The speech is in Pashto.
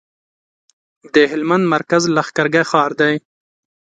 د هلمند مرکز لښکرګاه ښار دی